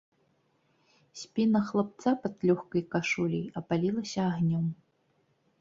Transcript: Спіна хлапца пад лёгкай кашуляй апалілася агнём.